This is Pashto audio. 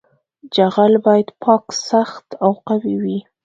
جغل باید پاک سخت او قوي وي